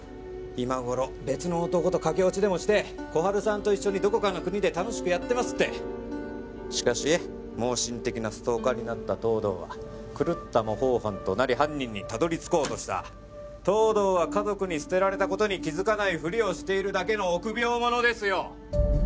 今頃別の男と駆け落ちでもして心春さんと一緒にどこかの国で楽しくやってますってしかし妄信的なストーカーになった東堂は狂った模倣犯となり犯人にたどり着こうとした東堂は家族に捨てられたことに気づかないふりをしているだけの臆病者ですよ！